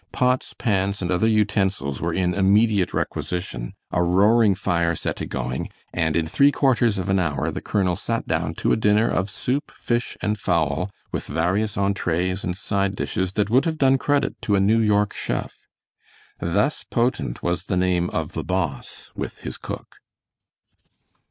Pots, pans, and other utensils were in immediate requisition, a roaring fire set a going, and in three quarters of an hour the colonel sat down to a dinner of soup, fish, and fowl, with various entrees and side dishes that would have done credit to a New York chef. Thus potent was the name of the boss with his cook.